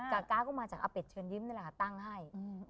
ก๊าก็มาจากอาเป็ดเชิญยิ้มนี่แหละค่ะตั้งให้